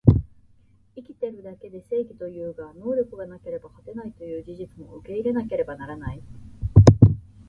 生きてるだけで正義というが、能力がなければ勝てないという事実も受け入れなければならない